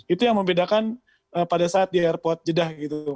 itu yang membedakan pada saat di airport jedah